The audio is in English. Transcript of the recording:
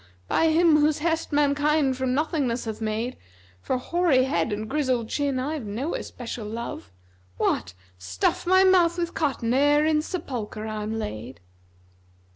by Him, whose hest mankind from nothingness hath made For hoary head and grizzled chin I've no especial love: * What! stuff my mouth with cotton[FN#265] ere in sepulchre I'm laid?'"